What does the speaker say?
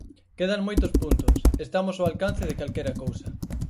Quedan moitos puntos, estamos ao alcance de calquera cousa.